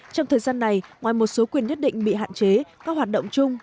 trong thời gian này ngoài một số quyền nhất định bị hạn chế các hoạt động chung